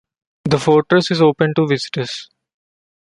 The fortress is open to visitors.